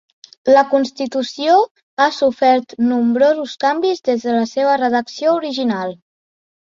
La constitució ha sofert nombrosos canvis des de la seva redacció original.